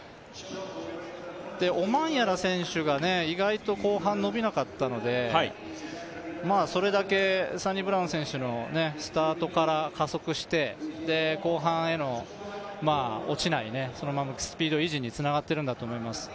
で、オマンヤラ選手が意外と後半伸びなかったので、それだけサニブラウン選手のスタートから加速して、後半への落ちないそのままスピード維持につながっているんだと思います。